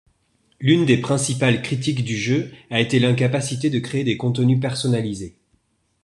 L'une des principales critiques du jeu a été l'incapacité de créer des contenus personnalisés.